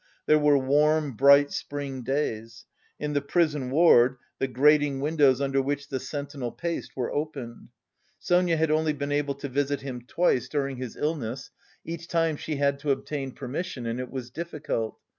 There were warm bright spring days; in the prison ward the grating windows under which the sentinel paced were opened. Sonia had only been able to visit him twice during his illness; each time she had to obtain permission, and it was difficult.